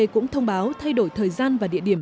cũng thông báo thay đổi thời gian và địa điểm